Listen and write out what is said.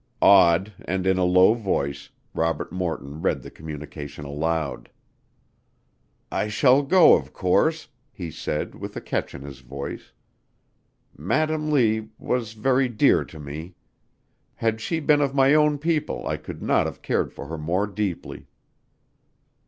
Awed, and in a low voice, Robert Morton read the communication aloud. "I shall go, of course," he said, with a catch in his voice. "Madam Lee was very dear to me. Had she been of my own people I could not have cared for her more deeply."